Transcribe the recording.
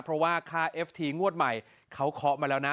เพราะว่าค่าเอฟทีงวดใหม่เขาเคาะมาแล้วนะ